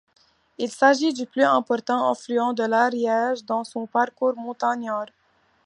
Il s'agit du plus important affluent de l'Ariège dans son parcours montagnard.